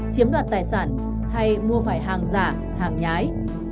chiếm đoạt tài sản hay mua phải hàng giả hàng nhái